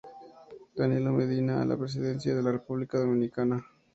Danilo Medina a la presidencia de la República Dominicana.